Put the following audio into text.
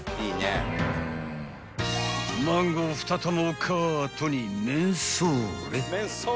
［マンゴー２玉をカートにめんそーれ］